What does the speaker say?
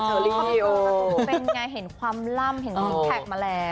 เป็นไงเห็นความล่ำเห็นซิกแพคมาแล้ว